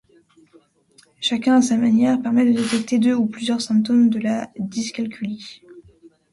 Chacun à sa manière permet de détecter deux ou plusieurs symptômes de la dyscalculie.